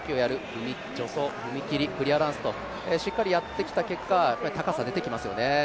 踏切、助走、クリアランスとしっかりやってきた結果、高さ出てきますよね。